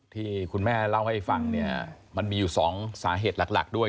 ที่คุณแม่เล่าให้ฟังเนี่ยมันมีอยู่๒สาเหตุหลักด้วย